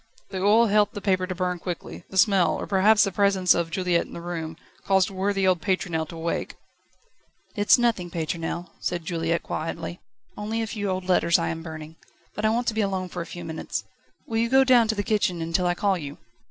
The oil helped the paper to burn quickly; the smell, or perhaps the presence of Juliette in the room caused worthy old Pétronelle to wake. "It's nothing, Pétronelle," said Juliette quietly; "only a few old letters I am burning. But I want to be alone for a few moments will you go down to the kitchen until I call you?"